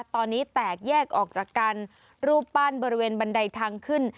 ตอนนี้แตกแยกออกจากกันรูปปั้นบริเวณบันไดทางขึ้น